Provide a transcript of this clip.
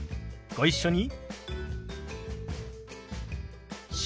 ご一緒に。